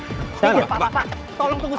tolong tunggu sebentar pak raymond